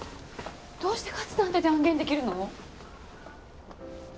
どうして勝つなんて断言できるの？